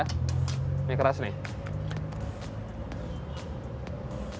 ini keras nih